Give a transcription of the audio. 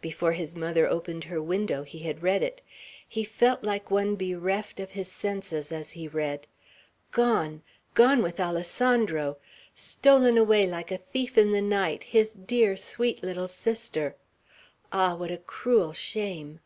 Before his mother opened her window, he had read it. He felt like one bereft of his senses as he read. Gone! Gone with Alessandro! Stolen away like a thief in the night, his dear, sweet little sister! Ah, what a cruel shame!